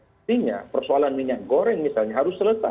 artinya persoalan minyak goreng misalnya harus selesai